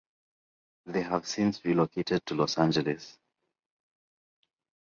They have since relocated to Los Angeles.